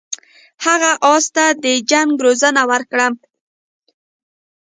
هغه اس ته د جنګ روزنه ورکړه.